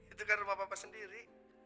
itu kan rumah bapak sendiri